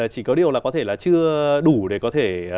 chỉ có điều là có thể là chưa đủ để có thể